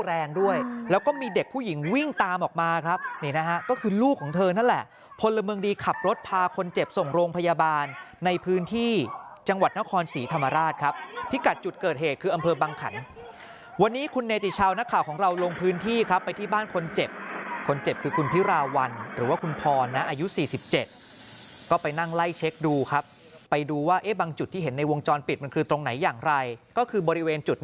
ส่งโรงพยาบาลในพื้นที่จังหวัดนครศรีธรรมราชครับที่กัดจุดเกิดเหตุคืออำเภอบังขันว์วันนี้คุณเนติชาวนักข่าวของเราลงพื้นที่ครับไปที่บ้านคนเจ็บคนเจ็บคือคุณพิราวัลหรือว่าคุณพรนะอายุ๔๗ก็ไปนั่งไล่เช็กดูครับไปดูว่าบางจุดที่เห็นในวงจรปิดมันคือตรงไหนอย่างไรก็คือบร